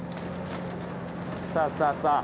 さあさあさあ。